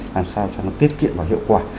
làm sao cho nó tiết kiệm và hiệu quả